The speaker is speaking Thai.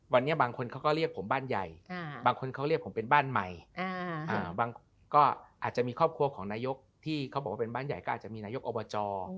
วันนี้บางคนเขาก็เรียกผมบ้านใหญ่บางคนเขาเรียกผมเป็นบ้านใหม่บางก็อาจจะมีครอบครัวของนายกที่เขาบอกว่าเป็นบ้านใหญ่ก็อาจจะมีนายกอบจ